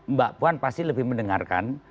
mbak puan pasti lebih mendengarkan